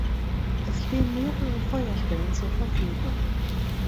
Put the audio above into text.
Es stehen mehrere Feuerstellen zur Verfügung.